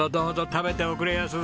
食べておくれやす。